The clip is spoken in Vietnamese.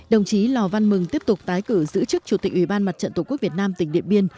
đồng chí lò văn mừng tiếp tục tái cử giữ chức chủ tịch ủy ban mặt trận tổ quốc việt nam tỉnh điện biên